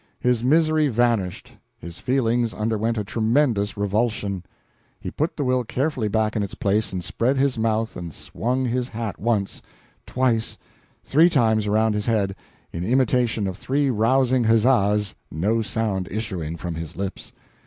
His misery vanished, his feelings underwent a tremendous revulsion. He put the will carefully back in its place, and spread his mouth and swung his hat once, twice, three times around his head, in imitation of three rousing huzzas, no sound issuing from his lips.